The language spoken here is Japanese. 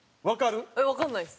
わかんないです。